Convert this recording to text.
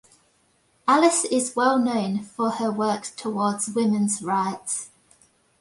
Alice is well known for her work towards women's rights.